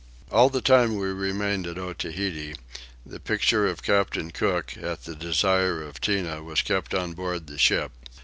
All the time we remained at Otaheite the picture of Captain Cook, at the desire of Tinah, was kept on board the ship.